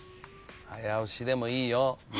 早押しでもいいよ。